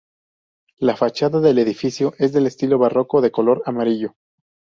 La fachada del edificio es de estilo barroco de color amarillo.